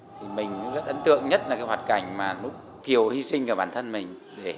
thì mình rất ấn tượng nhất là cái hoạt cảnh mà lúc kiều hy sinh cả bản thân mình